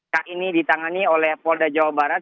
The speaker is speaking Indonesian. saat ini ditangani oleh polda jawa barat